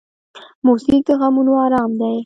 موزیک د غمونو آرام دی.